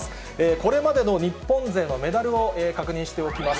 これまでの日本勢のメダルを確認しておきます。